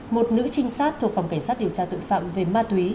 một nữ trinh sát thuộc phòng cảnh sát điều tra tội phạm về ma túy